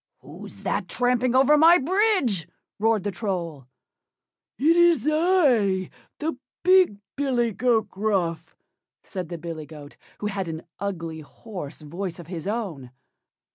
"WHO'S THAT tramping over my bridge?" roared the Troll. "IT'S I! THE BIG BILLY GOAT GRUFF," said the billy goat, who had an ugly hoarse voice of his own.